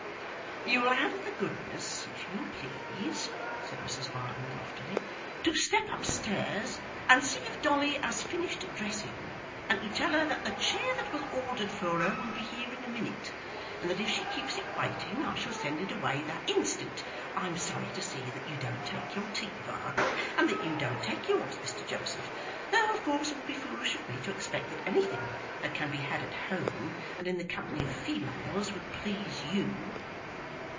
'You'll have the goodness, if you please,' said Mrs Varden, loftily, 'to step upstairs and see if Dolly has finished dressing, and to tell her that the chair that was ordered for her will be here in a minute, and that if she keeps it waiting, I shall send it away that instant. I'm sorry to see that you don't take your tea, Varden, and that you don't take yours, Mr Joseph; though of course it would be foolish of me to expect that anything that can be had at home, and in the company of females, would please YOU.